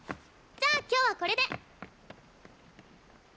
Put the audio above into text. じゃあ今日はこれで！